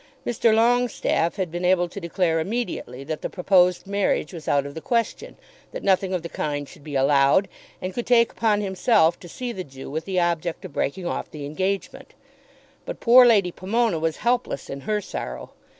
Mr. Longestaffe had been able to declare immediately that the proposed marriage was out of the question, that nothing of the kind should be allowed, and could take upon himself to see the Jew with the object of breaking off the engagement. But poor Lady Pomona was helpless in her sorrow.